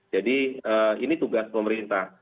jadi ini tugas pemerintah